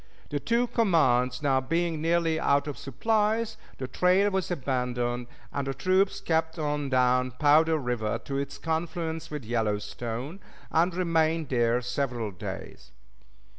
The two commands now being nearly out of supplies, the trail was abandoned, and the troops kept on down Powder River to its confluence with the Yellowstone, and remained there several days.